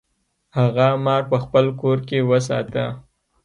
هغه مار په خپل کور کې وساته.